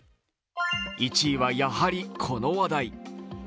１位はやはりこの話題。